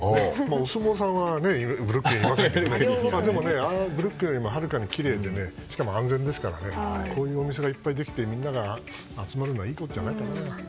お相撲さんはブルックリンにはいませんがでも、ブルックリンよりもはるかにきれいですししかも安全ですからこういうお店がいっぱいできてみんなが集まるのはいいことじゃないかな。